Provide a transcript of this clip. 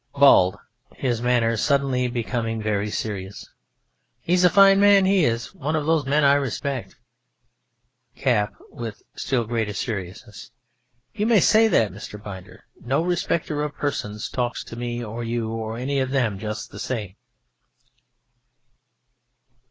BALD (his manner suddenly becoming very serious): He's a fine man, he is! One of those men I respect. CAP (with still greater seriousness): You may say that, Mr. Binder. No respecter of persons talks to me or you or any of them just the same.